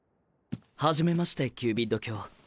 はじめましてキュービッド卿。